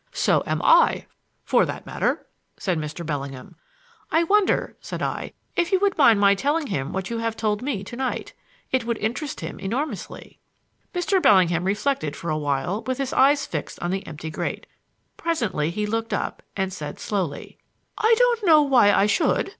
"So am I, for that matter," said Mr. Bellingham. "I wonder," said I, "if you would mind my telling him what you have told me to night? It would interest him enormously." Mr. Bellingham reflected for a while with his eyes fixed on the empty grate. Presently he looked up, and said slowly: "I don't know why I should.